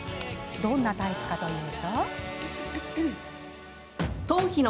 どんなタイプかというと。